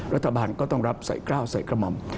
รัฐบาลก็ต้องรับใส่กล้าวใส่กระหม่อม